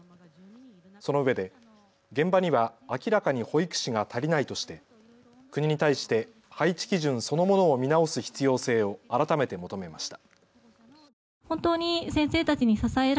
そのうえで現場には明らかに保育士が足りないとして国に対して配置基準そのものを見直す必要性を改めて求めました。